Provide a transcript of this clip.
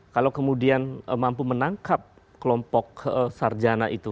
kalau kemudian mampu menangkap kelompok sarjana itu